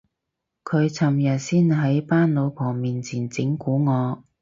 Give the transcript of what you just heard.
佢尋日先喺班老婆面前整蠱我